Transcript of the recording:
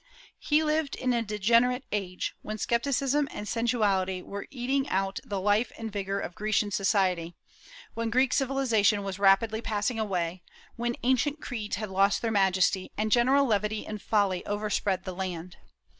He lived in a degenerate age, when scepticism and sensuality were eating out the life and vigor of Grecian society, when Greek civilization was rapidly passing away, when ancient creeds had lost their majesty, and general levity and folly overspread the land.